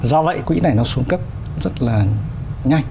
do vậy quỹ này nó xuống cấp rất là nhanh